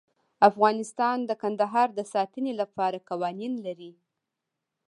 افغانستان د کندهار د ساتنې لپاره قوانین لري.